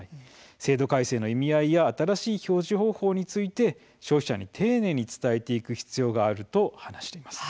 制度改正の組合はまだ新しい表示方法について、消費者に丁寧に伝えていく必要があると話しています。